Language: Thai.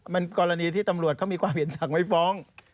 มันกรณีที่ตำรวจเขามีความเห็นสั่งไม่ฟ้อง